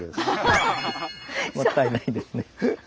もったいないですね。